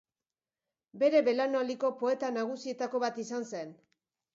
Bere belaunaldiko poeta nagusietako bat izan zen.